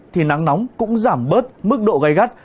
thì nắng nóng cũng giảm bớt mức độ gai gắt